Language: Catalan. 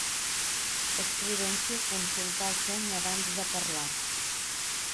És prudència consultar el seny abans de parlar.